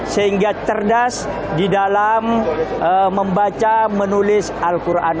sehingga cerdas di dalam membaca menulis al quran